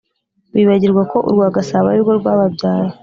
Bibagirwa ko urwa Gasabo arirwo rwababyaye